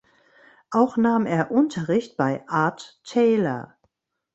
Auch nahm er Unterricht bei Art Taylor.